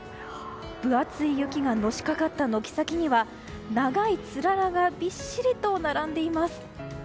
分厚い雪がのしかかった軒先には長いつららがびっしりと並んでいます。